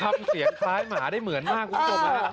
ทำเสียงคล้ายหมาได้เหมือนมากคุณผู้ชมฮะ